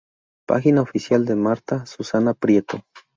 Página oficial de Martha Susana Prieto